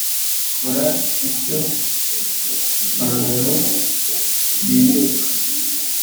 kora icyo ipantaro itinyuka.